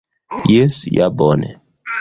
Jes, ja bone!